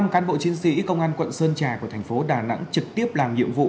năm cán bộ chiến sĩ công an quận sơn trà của thành phố đà nẵng trực tiếp làm nhiệm vụ